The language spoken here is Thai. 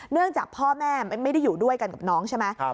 จากพ่อแม่ไม่ได้อยู่ด้วยกันกับน้องใช่ไหม